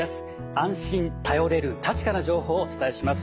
安心頼れる確かな情報をお伝えします。